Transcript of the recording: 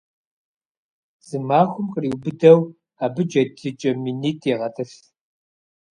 Зы махуэм къриубыдэу абы джэдыкӀэ минитӏ егъэтӏылъ.